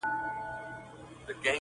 تګ راتګ او نور هم خپلو کې نه کوي